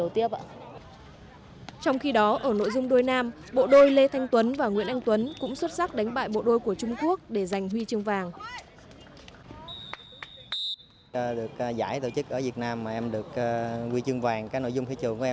trong khi đó ở nội dung đôi nam bộ đôi lê thanh tuấn và nguyễn anh tuấn cũng xuất sắc đánh bại bộ đôi của trung quốc để giành huy chương vàng